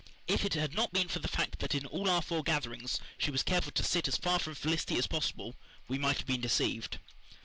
If it had not been for the fact that in all our foregatherings she was careful to sit as far from Felicity as possible, we might have been deceived.